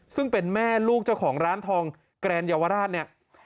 ซึ่งเป็นแม่ลูกเจ้าของร้านทองแกรนเยาวราชเนี่ย